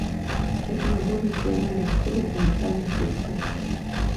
Гэта набор нацыянальных кодаў і ментальных рысаў.